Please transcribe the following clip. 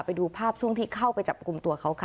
ไปดูภาพช่วงที่เข้าไปจับกลุ่มตัวเขาค่ะ